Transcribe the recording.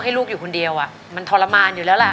ลูกอยู่คนเดียวมันทรมานอยู่แล้วล่ะ